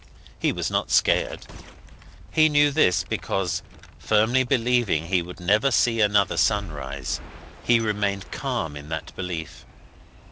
He was not scared; he knew this because, firmly believing he would never see another sunrise, he remained calm in that belief.